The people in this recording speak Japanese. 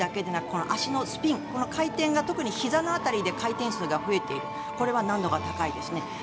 この足のスピン、回転が特にひざの辺りで回転数が増えているこれは難度が高いです。